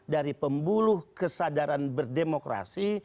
dari pembuluh kesadaran berdemokrasi